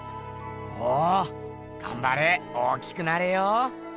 おおがんばれ大きくなれよ！